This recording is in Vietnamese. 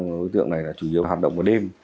của đối tượng này là chủ yếu hoạt động vào đêm